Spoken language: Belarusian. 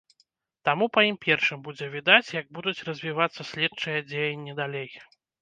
Таму па ім першым будзе відаць, як будуць развівацца следчыя дзеянні далей.